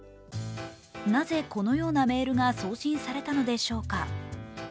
なぜ、このようなメールが送信されたのでしょうか？